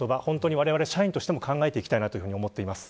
われわれ社員としても考えていきたいと思っております。